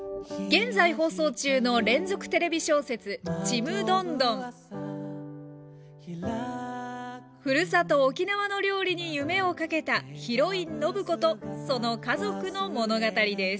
現在放送中の連続テレビ小説「ちむどんどん」ふるさと沖縄の料理に夢をかけたヒロイン暢子とその家族の物語です